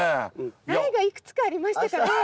苗がいくつかありましたからね。